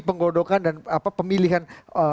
penggodokan dan pemilihan